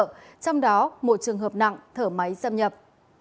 trong đó một trường hợp nặng thở máy xâm nhập